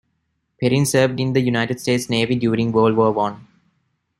Perrin served in the United States Navy during World War One.